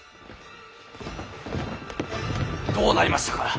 どうなりましたか？